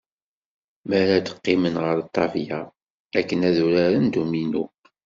Mi ara d-qqimen ɣer ṭṭabla akken ad uraren dduminu.